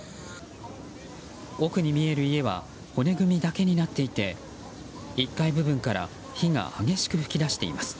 奥に見える家は骨組みだけになっていて１階部分から火が激しく噴き出しています。